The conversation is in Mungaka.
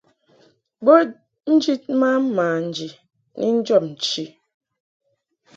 Bo njid ma manji ni njɔb nchi.